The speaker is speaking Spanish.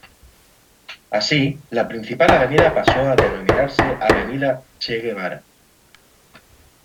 Así, la principal avenida pasó a denominarse avenida Che Guevara.